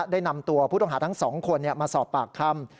ได้นำตัวผู้ต้องหาทั้ง๒คนมาสอบปากคำ